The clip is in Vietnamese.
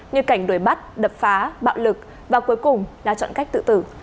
như cảnh đuổi bắt đập phá bạo lực và cuối cùng là chọn cách tự tử